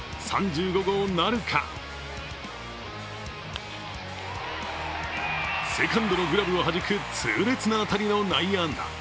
３５号なるかセカンドのグラブをはじく痛烈な当たりの内野安打。